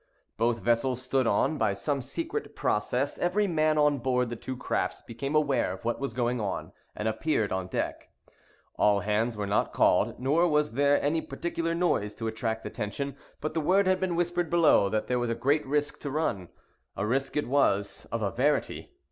Both vessels stood on. By some secret process, every man on board the two crafts became aware of what was going on, and appeared on deck. All hands were not called, nor was there any particular noise to attract attention, but the word had been whispered below that there was a great risk to run. A risk it was, of a verity!